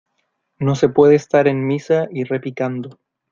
No se puede estar en misa y repicando.